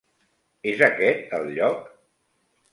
És aquest el lloc?